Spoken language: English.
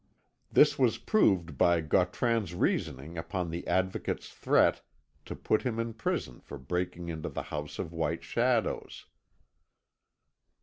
This was proved by Gautran's reasoning upon the Advocate's threat to put him in prison for breaking into the House of White Shadows.